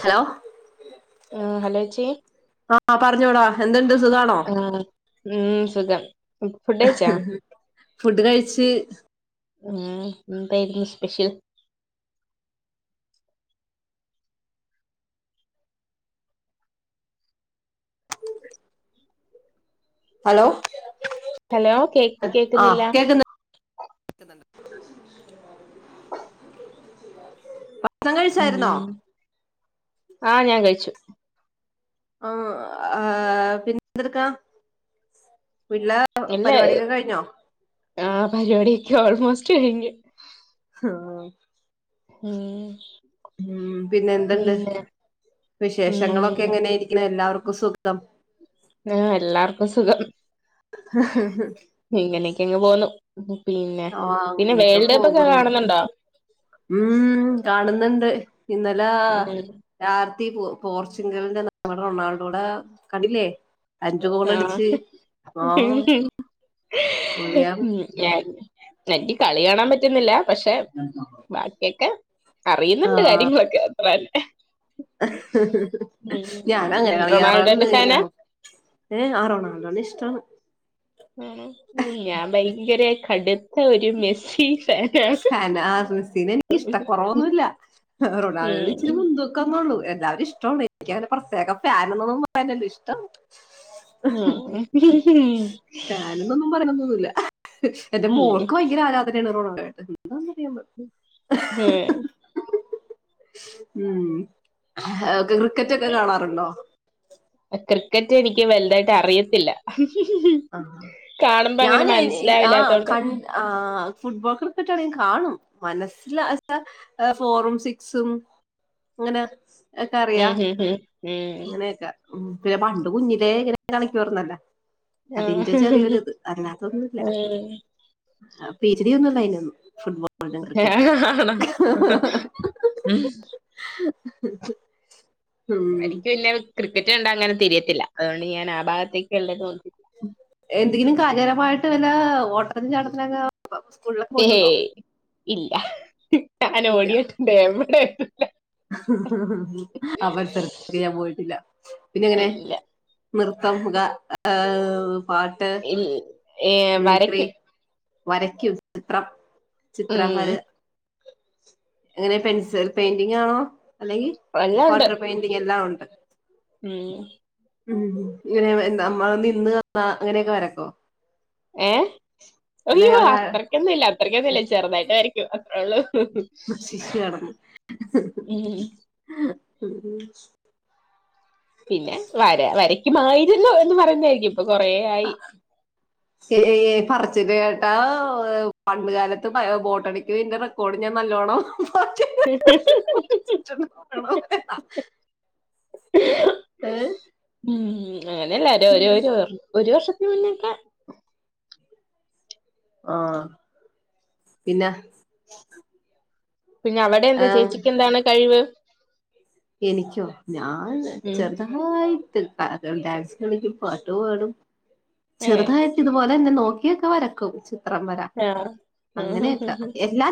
Hello ആഹ് ഹലോച്ചി ആഹ പറഞ്ഞോടാ എന്തുണ്ട് സുഖാണോ ആഹ ഉം സുഖം ഫുഡ് കഴിച്ചാ ഫുഡ് കഴിച്ചു ഉ എന്തായിും സ്പെഷ്യൽ ഹലോ ഹലോ കേ ആഹ് കേക്കുന്നില്ല കേക്കുന്നു സം കഴിച്ചായിരുന്നോ ആഹ ഞാൻ കഴിച്ചു ആഹ ആ പിന്നെ എന്തടുക്കാ അല്ല ആ പരിപാടിയൊക്കെ ഓൾമോസ്റ്റ് കഴിഞ്ഞു ആ. ഉം. ഉം പിന്നെ എന്തുണ്ട് പിന്നെ വിശേഷങ്ങളൊക്കെ ഉം എങ്ങനെയിരിക്കണ എല്ലാവർക്കും ക്കും സുഖം? ആ എല്ലാർക്കും സുഖം ഇങ്ങനെയക്കെങ്ങ് പോവുന്നു. ആ അങ്ങനെയൊക്കെ പോകുന്നു കാണുന്നുണ്ടോ ഉം കാണുന്ന ഇന്നലാ ഉം ആ പോർച്ചുഗലിന്റെ നമ്മടെ റൊണാൾഡോടെ കണ്ടില്ലേ? അഞ്ചു ആ ഗോളടിച്ച് ആഹ് പൊളിയാണ് ഉം. നറ്റി കളി കാണാൻ പറ്റുന്നില്ല പക്ഷെ ബാക്കിയൊക്കെ അറിയുന്നുണ്ട് കാര്യങ്ങളൊക്കെ അത്രന്നെ. ഞാന അങ്ങനെ കളി റൊണാൾഡോന്റെ [unintelligible] ഫാനാ നമ്മ ഏ ആ റൊണാൾഡോ നേ ഇഷ്ടാണ്. ഞാൻ ഭയങ്കര കടുത്ത ഒരു മെസ്സി ഫാനാണ് ആ മെസ്സിനെ എനിക്കിഷ്ടക്കുറവൊന്നുല്ല. റൊണാൾഡോ ഉം ഇച്ചിരി മുൻതൂക്കാന്നള്ളൂ. എല്ലാവരും ഇഷ്ടണ് എനിക്കങ്ങനെ പ്രത്യേകം ഫാനന്നൊന്നും പറയല്ലോ ഇഷ്ടണ്. ഉം ഫാനന്നൊന്നും പറയന്നൊന്നില്ല. എന്റെ ഉം ഉം. മോൾക്ക് ഭയങ്കര ആരാധനയാണ് റൊണാൾഡോ എന്താണെന്നറിയാൻ ഉം. ഏ ഉം ഒക്കെ ക്രിക്കറ്റ് ഒക്കെ കാണാറുണ്ടോ? ക്രിക്കറ്റ് എനിക്ക് വലുതായിട്ട് അറിയത്തില്ല. ആ. കാണുമ്പോ അങ്ങനെ ഞാന് ആ ക മനസ്സിലാവില്ലാത്തോണ്ട് ആ ഫുട്ബോൾ ക്രിക്കറ്റ് ആണെങ്കിൽ കാണും. മനസ്സില [unintelligible] ഫോറും സിക്സും അങ്ങനെ ഒക്കെ അറിയാ ഉം ഉം ഉം. അങ്ങനെയൊക്കെ ഉം പിന്നെ പണ്ട് കുഞ്ഞിലെ ഇങ്ങനെ കാണിക്കുവാർന്നല്ല. അതിന്റെ ആഹ് ചെറിയൊര് ഇത് അല്ലാതൊന്നും ഇല്ല. ഉം പി എച്ച് ഡി ഒന്നും [unintelligible] ഫുട്ബോൾ [unintelligible] ആണോ ഉം. [unintelligible] എനിക്ക് പിന്നെ ക്രിക്കറ്റ് കണ്ടാ അങ്ങനെ തിരിയത്തില്ല അതുകൊണ്ട് ഞാൻ ആ ഭാഗത്തേക്ക് ഉള്ളത് എന്തെങ്കിലും കായികപരമായിട്ട് വല്ല ഓട്ടത്തിനും ചാട്ടത്തിനൊക്കെ സ്കൂളിലൊക്കെ പോയിട്ടുണ്ടോ? ഏയ് ഇല്ല ഞാൻ ഓടിയിട്ടുണ്ട് എമ്മടെ അവർ [unintelligible] പോയിട്ടില്ല പിന്നെ എങ്ങനെ ഇല്ല നൃത്തം ഗ ഏ പാട്ട് ഇൽ ഏ മിമിക്രി വരയ്ക്കും. വരയ്ക്കും ചിത്രം ചിത്രം വര ഉം അങ്ങനെ പെൻസിൽ പെയിന്റിങ് ആണോ? അല്ലെങ്കി എല്ലാം ഉണ്ട് വാട്ടർ പെയിന്റിങ് എല്ലാം ഉണ്ട ഉം ഉം ഇങ്ങനെ നമ്മൾ നിന്ന് തന്ന അങ്ങനെയൊക്കെ വരക്കോ? ഏ അല്ലെ അയ്യോ ഒരാ അത്രയ്ക്കൊന്നും ഇല്ല അത്രക്കൊന്നും ഇല്ല ചെറുതായിട്ട് വരയ്ക്കും അത്രേ ഉള്ളൂ. ഉം ശിശുവാണെന്ന് പിന്നെ വര വരക്കുമായിരല്ലോ എന്ന് പറഞ്ഞതായിരിക്കും. [unintelligible] ച്ചിരി കേട്ടാ പണ്ടുകാലത്ത് ബോട്ടണിക്ക് എൻ്റെ റെക്കോർഡ് ഞാൻ നല്ലോണം ഏ? ഉം അങ്ങനെയല്ല ഒരു ഒരു ഒരു വർഷത്തിന് മുന്നക്കെ ആ പിന്നെ പിന്നെ അവിടെ എന്താ ആഹ് ചേച്ചിക്ക് എന്താണ് കഴിവ് എനിക്കോ ഞാൻ ഉം ചെറുതായി ഡാൻസ് കാണിക്കും പാട്ട് പാടും ഏ ചെറുതായിട്ട് വരക്കും ചിത്രം വരാ ആ അങ്ങനെയൊക്കെ എല്ല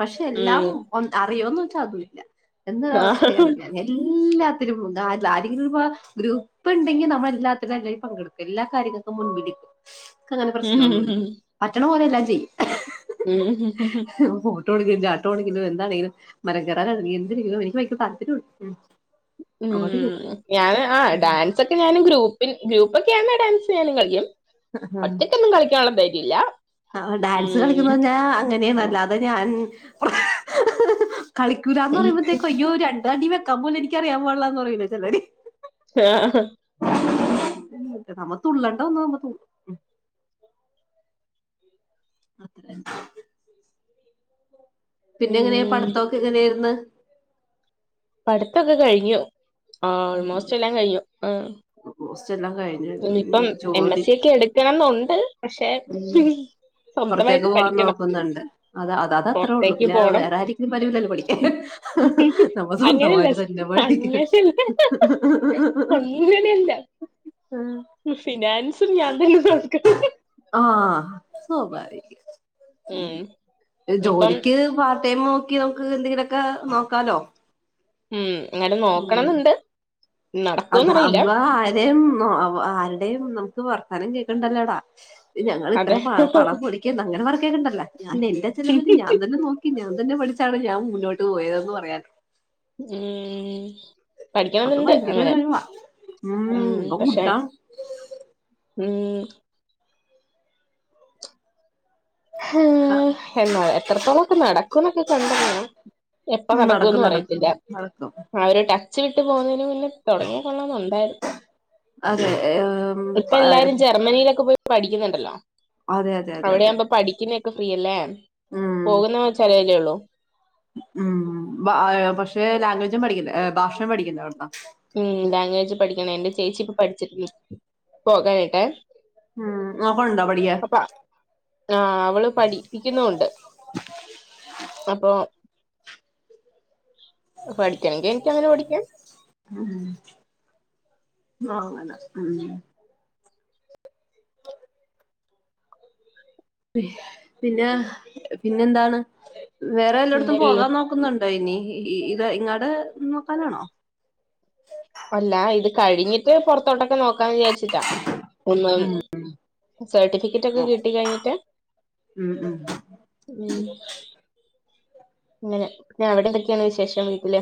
പക്ഷെ എല്ലാം ഉം ഒ അറിയോന്ന് വെച്ചാൽ അതല്ല ആ എന്നൊരവസ്ഥയാണ് ഞാൻ എ എല്ലാത്തിനും ആരെങ്കിലും ഗ്രൂപ്പ് ഉണ്ടെങ്കിൽ നമ്മള എല്ലാത്തിനും എല്ലരും പങ്കെടുക്കും എല്ലാ കാര്യങ്ങളും മുൻപിൽ നിൽകും അങ്ങനെ പ്രശ്നമൊന്നുമില്ല പറ്റണ പോലെല്ലാം ചെയ്യും ഉം ഉ ട്ടോ ചാട്ടോണോ എന്താണെങ്കില മര കറ നീ എന്തിന എനിക്ക്പയങ്കര താല്പര്യമ ഉം ഞാന് ആ ഡാൻസ്ക്കെ ഞൻ ഗ്രൂപ്പിൽ ഗ്രൂപ്പൊക്കെ ആ ഡാൻസ് ഞാനും കളിക്കും ഒറ്റൊക്കൊന്നും കളിക്കാനുള്ളും ധൈര്യല്ല ആ ഡാൻസ് കളിക്കുന്നഞ്ഞാ അങ്ങനെയണല്ലാതെ ഞാൻ കളിക്കൂ ലാഎന്ന് ഉം പറയുമ്പഴത്തേക്കുംയ്യോ രണ്ട അടി വെക്കാൻ പോല എനിക്കറിയാല്ലാന്ന് പറയില്ല ചെലര് ആ നമ്മ തുള്ളേണ്ട ഒന്ന നമ്മ അത്ര പിന്നെ എങ്ങനെയാ ഉം. പടിത്തമൊക്കെ എങ്ങനെയ ആയിന്ന് പടുത്തൊക്കെ കഴിഞ്ഞു ഓൾമോസ്റ്റ് എല്ലാം കഴിഞ്ഞു ആ കോഴ്സ് എല്ലാം കഴിഞ്ഞു ഇനി ഇപ്പം എം ജോലി എസ് സി ഒക്കെ എടുക്കണംന്ന്ണ്ട് പക്ഷെ പുറത്തേക്ക് സ്വന്തമായിട്ട് പോകാൻ പഠിക്കണം നോക്കുന്നുണ്ട് അത് അത് അത് അത്രേ ഉള്ളു പുറത്തേക്ക് പിന്നെ പോണം വേറെ ആരിപറിലല്ലോ പഠിക്കാൻ നമ്മ അങ്ങനെയല്ല സ്വന്തമായിട്ട് തന്നെ പഠിക്ക അങ്ങനെയല്ല അങ്ങനെയല്ല ഉം സണിയതല്ല സക [unintelligible] ആഹ് സ്വാഭാവികം അപ്പം ജോലിക്ക് പ നോക്കി നമുക്ക് എന്തെങ്കിലുമൊക്കെ നോക്കാലോ ഉം അങ്ങട്ട നോക്കണംന്നണ്ട് അത അമ്മ ആരയും ആരുടെയും വർത്താനം കേൾക്കണ്ടല്ലോടാ ഞങ്ങൾ അതെ ഇത്രം പണം പൊടിക്ക അങ്ങനെ പറക്ക കേക്കണ്ടല്ലോ ഞാൻ എന്റെ ചിലവല് ഞാൻ തന്നെ നോക്കി ഞാൻ തന്നെ പഠിച്ചാണ് ഞാൻ മുന്നോട്ട് പോയതെന്ന് പറയാലൊ ഉം അത് പഠിക്കണ്ടിണ്ട് ഭയങ്കര ഒരു അങ്ങനെ കഴിവാ ഉം ഇപ്പൊ പക്ഷെ ഗുഡാ ഉം ഹം എന്നാ എത്രത്തോളംക്കെ നടക്കും എന്നൊക്കെ കണ്ട റിയണം എപ്പ ഉം, നടക്കുംന്ന് നടക്കും നടക്കും പറയത്തില്ല നടക്കും ആ ഒരു വച്ച വിട്ട് പോകുന്നതിന് പിന്നെ തുടങ്ങിക്കൊള്ളണംമുണ്ടായിരുന്നു അതെ ഏം, ഇപ്പ പ- എല്ലാരും ജർമ്മനിയിലൊക്കെ പോയി പഠിക്കുന്നുണ്ടല്ലോ അതെ അതെ അതെ അതെ അവിടെയാവുമ്പോ പഠിക്കുന്ന ഒക്കെ ഫ്രീ അല്ലേ ഉം പോകുന്ന വെച്ച അറിയല്ലേള്ളു ഉം പക്ഷേ ലാംഗ്വേജും പഠിക്കുന്ന ഭാഷയും പഠിക്കുന്ന ഉം ലാംഗ്വേജ് പഠിക്കണ എന്റെ ചേച്ചിപ്പ പഠിച്ചി പോകാനായിട്ടാ ഉം അ അപ്പൊ ആ അവള് പഠിപ്പിക്കുന്നുണ്ട് അപ്പൊ പഠിക്കണങ്ക എനിക്ക അങ്ങനെ പഠിക്കൻ ഉ ആങ്ങത ഉ പിന്നെ പിന്നെ എന്താണ് വേറെ എല്ലായിടത്തും പിന്നെ വീ പോകാൻ നോക്കുന്നുണ്ടോ ഇനി ഇത് ഇങ്ങാടെ നോക്കാലാണോ അല്ല ഇത് കഴിഞ്ഞിട്ട് പൊറത്തോട്ടൊക്കെ നോക്കാന്ന് വിചാരിച്ചിട്ടാ ഒന്നു ഉം സർട്ടിഫിക്കറ്റ് ഒക്കെ ഉം കിട്ടി കഴിഞ്ഞിട്ട് ഉം ഉം അങ്ങനെ പിന്നെ അവിടെ എന്തൊക്കെയാണ് വിശേഷം വീട്ടില്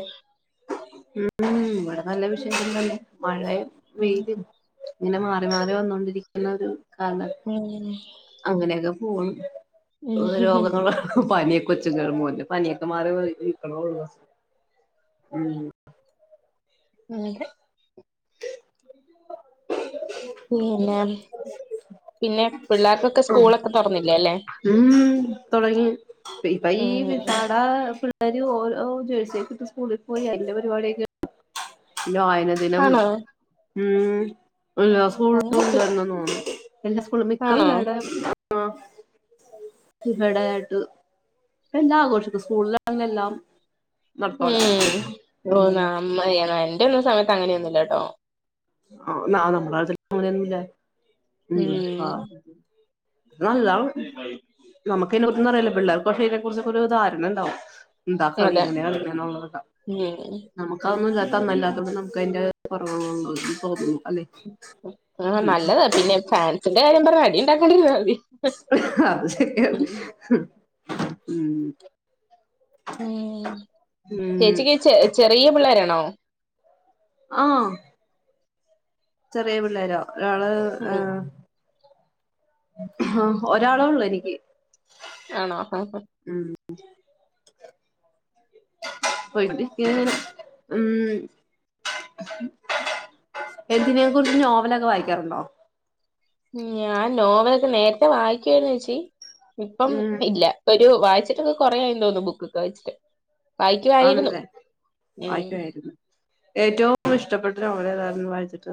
ഉം ഇവിടെ നല്ല വിഷയം തന്നെ മഴ ഉം വെയിലും ഇങ്ങനെ മാ മാറി വന്നോണ്ടിരിക്കുന്നത് ആണ് ഉം അങ്ങനെയൊക്കെ പോണ് രോഗങ്ങള പനി കൊച്ചകയറുബോല്ലെ പനിയൊക്കെ മാറിക്കണ [unintelligible] അതെ [unintelligible] പിന്നെ പിന്നെ പിള്ളേർക്കൊക്കെ സ്കൂളൊക്കെ തുറന്നില്ലേ അല്ലേ ഇപ്പ ഈ [unintelligible] ഓരോ ജേഴ്സിയക്ക ഇട്ട് സ്കൂളിൽ പോയി അതിന്റെ പരിപാടിയൊക പിന്നെ വായനദിനം ആണോ ഉം ഇല്ല അങ്ങനൊക്കെ സ്കൂളല്ലന്ന തോന്നുന്നു എല്ലാ സ്കൂള മിക്ക ആണോ പിള്ളേർടെ ആ ഇവിടെയിട്ട് എല്ലാം ആഘോഷിക്കും സ്കൂളിലാണില് എല്ലാം നടത്തോല ഉം അമ്മയണ എന്റെ ഒന്നു സമയത്ത് അങ്ങനെയൊന്നുമല്ലട്ടോ [unintelligible] ആല്ല ഉം നാമ്മുകയ്യിനെ കുറിച് അരില്ലലോ പിള്ളേർക് ആകുമ്പോ അയിനെ കുറിച് ഒരു ധാരണ ഉണ്ടാവും എന്താ കളി അതെ ഇങനെ കളിക്കുന്നത് ഉം നമുക്കതന്നുല [unintelligible] തന്നല്ലാത്തുമ്പോ നമുക്ക് അതിന്റെ കുറവുകൾ തോന്നും അല്ലെ ആ നല്ലതാ പിന്നെ ഫാൻസിന്റെ കാര്യം പറഞ്ഞ അടി ഇണ്ടാക്കണ്ടിരുന്ന മതി അത് ശരിയാണ് ഉം മ് ഹമ് ചേച്ചി ചേ ചെറിയ പിള്ളേരാാണോ ആ ചെറിയ പിള്ളോര ഒരാള് ആ ഉം ആ ഒരാളേ ഉള്ളൂ എനിക്ക് ആണോ ഉം ഒരുതിക്ക് ഉം എന്തിനേ കുറിച് നോവലൊക്കെ വായിക്കാറുണ്ടോ ഞാൻ നോവൽൊക്കെ നേരത്തെ വായിക്കുവായിരുന്നുച്ചി ഇപ്പം ഉം ഇല്ല ഇപ്പൊ ഒരു വായിച്ചിട്ടൊക്കെ കൊറായി തോന്നുന്നു ബുക്ക്ക്കെ വായിച്ചിട്ട് വായിക്കുവായിരുന്നു ആണല്ലേ ഉം വായിക്കുവായിരുന്നു ഏറ്റവും ഇഷ്ടപ്പെട്ട നോവൽ ഏതാരുന്നു വായിച്ചിട്ട്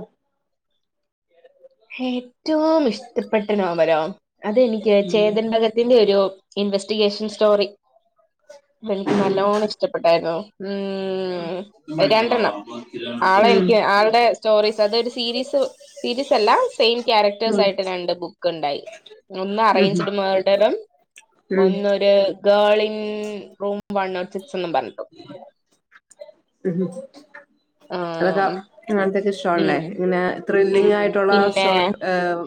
ഏറ്റവും ഇഷ്ടപ്പെട്ട നോവലോ അതെനിക്ക് ചേതൻ ഭഗത്തിന്റെ ഒരു ഇൻവെസ്റ്റിഗേഷൻ സ്റ്റോറി. എനിക്ക് ഉം നല്ലോണം ഇഷ്ടപ്പെട്ടായിരുന്നു ഉം മ്മ് രണ്ടെണ്ണം ആളെ എനിക്ക് ആളുടെ സ്റ്റോറീസ് അതൊരു സീരീസ് സീരീസ് ആ സെയിം ക്യാരക്റ്റേഴ്സ് ആയിട്ട് രണ്ട് ബുക്ക്ണ്ടായി. ഒന്ന് ഉം അറേഞ്ച്ഡ് മേർഡറും ഉം ഒന്നൊരു ഗേളിൻ റൂ വൺ നോട്ട് സിക്സ് എന്നും പറഞ്ഞിട്ട് അതൊ ആഹ് ഉം അങ്ങനത്തൊക്കെ ഇഷ്ടാണല്ലേ ഇങ്ങനെ ത്രില്ലിങ് ആയിട്ടുള്ള സ്റ്റോ ഏഹ്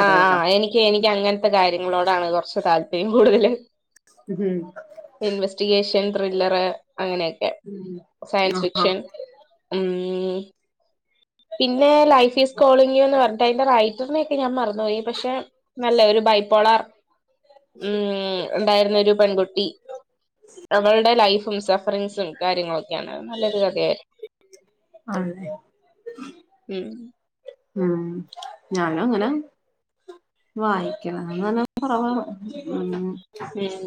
ആ ആ എനിക്ക് എനിക്ക് അങ്ങനത്തെ കാര്യങ്ങളോടാണ് കൊറച്ച് താല്പര്യം കൂടുതല് ഉം ഇൻവെസ്റ്റിഗേഷൻ ത്രില്ലറ് അങ്ങനെയൊക്കെ. ഉം സയൻസ് ആഹാ ഫിക്ഷൻ ഉം പിന്നെ ലൈഫ് ഈസ് കോളിങ്‌ എന്ന് പറഞ്ഞിട്ട് അതിന്റെ റൈറ്ററിനെ ഞാൻ മറന്ന്പോയി പക്ഷെ നല്ല ഒരു ബൈപോളാർ ഉം ഉണ്ടായിരുന്നൊരു പെൺകുട്ടി അവളുടെ ലൈഫും സഫറിങ്സും കാര്യങ്ങളൊക്കെയാണ് അത് നല്ലൊരു കഥയായിരുന്നു ആണല്ലേ ഉം ഉം ഞാനും അങ്ങനെ വായിക്കണം [inaudible] അന്ന് തന്നെ കുറവാണ് ഉം ഉം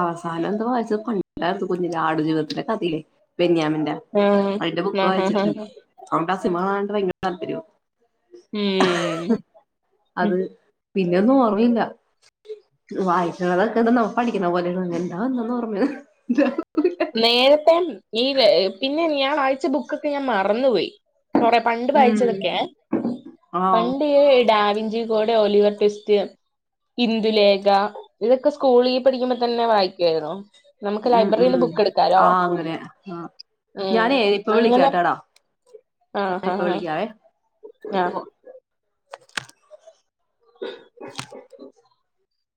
അവസാനം എന്തുവായിച്ചത് പണ്ടാരുന്നു കുഞ്ഞിലെ ആടു ജീവിതത്തിന്റെ കഥയിലേ ബെന്യാമി ന്റെ ആഹ് അതിന്റെ ബുക്ക് ആഹ് ആഹ് ആഹ് വായിച്ചിട്ടുണ്ട്. അത്കൊണ്ട് ആ സിനിമ കാണാണ്ട് ഭയങ്കര താല്പര്യ ഊം പിന്നൊന്നും ഓർമ്മയില്ല. വായിച്ചുള്ളതൊക്കെ ഇത് പഠി ക്ക്ന്ന പോലെയാണ്. മിണ്ടാതെ നിന്നങ്ങ് ഒറങ്ങാ നേരത്തെ ഈ പിന്നെ ഇയാളയച്ച ബുക്കൊക്കെ ഞാൻ മറന്നുപയി കൊറേ പണ്ട് ഉം വായിച്ചതൊക്കെയേ ആഹ് പണ്ട് ഈ Davy ഞ്ചി code Oliver Twist Indulekha ഇതൊക്കെ സ്കൂളീ പഠിക്കുമ്പോ തന്നെ വായിക്കുവാരുന്നു നമ്ക്ക് ഉം ഉം ലൈബ്രറീന്ന് ബു ക്ക് എടുക്കാലോ ആഹ് അങ്ങനെ ആഹ് ഉം ഞാനേ ഇപ്പൊ അങ്ങനെ വിളിക്കാട്ടാടാ ഞാൻ ആഹ് ഇപ്പൊ ഹാ വിളിക്കാവേ ഒരു അ കോ